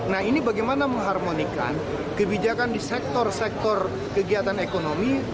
nah ini bagaimana mengharmonikan kebijakan di sektor sektor kegiatan ekonomi